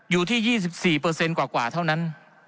อยู่ที่๒๔กว่าเท่านั้น